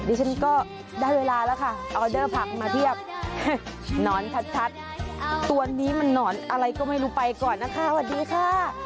ฉันก็ได้เวลาแล้วค่ะออเดอร์ผักมาเพียบหนอนชัดตัวนี้มันหนอนอะไรก็ไม่รู้ไปก่อนนะคะสวัสดีค่ะ